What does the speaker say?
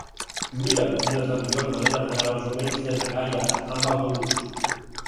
Mira'm quina és la millor manera d'anar als Omells de na Gaia amb autobús.